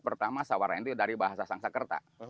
pertama sawarna itu dari bahasa sang sakerta